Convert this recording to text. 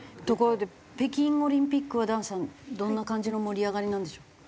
ところで北京オリンピックは段さんどんな感じの盛り上がりなんでしょう？